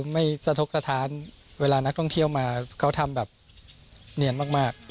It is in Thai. ไม่สะทกสถานเวลานักท่องเที่ยวมาเขาทำแบบเนียนมาก